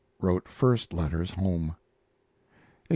Wrote first letters home. 1855 56.